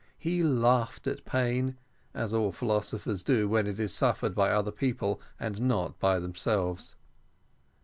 He laughed at pain, as all philosophers do when it is suffered by other people, and not by themselves.